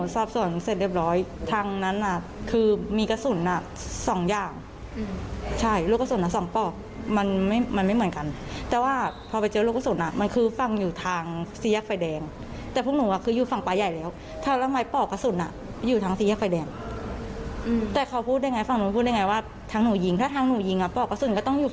สอบส่วนเสร็จเรียบร้อยทางนั้นน่ะคือมีกระสุนอ่ะสองอย่างใช่ลูกกระสุนอ่ะสองปอกมันไม่มันไม่เหมือนกันแต่ว่าพอไปเจอลูกกระสุนอ่ะมันคือฝั่งอยู่ทางสี่แยกไฟแดงแต่พวกหนูอ่ะคืออยู่ฝั่งปลาใหญ่แล้วถ้าแล้วทำไมปอกกระสุนอ่ะอยู่ทางสี่แยกไฟแดงแต่เขาพูดได้ไงฝั่งนู้นพูดได้ไงว่าทางหนูยิงถ้าทางหนูยิงอ่ะปอกกระสุนก็ต้องอยู่